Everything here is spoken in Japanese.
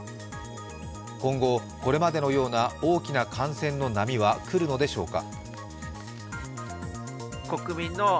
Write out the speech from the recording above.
今後、これまでのような大きな感染の波は来るのでしょうか？